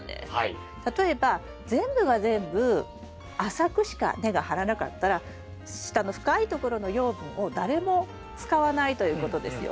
例えば全部が全部浅くしか根が張らなかったら下の深いところの養分を誰も使わないということですよね。